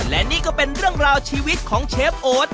และนี่ก็เป็นเรื่องราวชีวิตของเชฟโอ๊ต